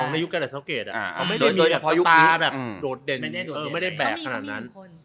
ในยุคแกรทาสเกษตรเขาไม่ได้มีสตราแบบโดดเด่นไม่ได้แบบขนาดนั้น